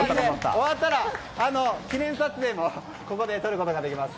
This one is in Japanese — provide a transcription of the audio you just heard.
終わったら記念撮影もここで撮ることができます。